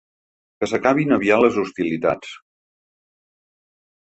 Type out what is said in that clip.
Que s’acabin aviat les hostilitats!